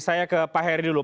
saya ke pak heri dulu